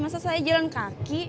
masa saya jalan kaki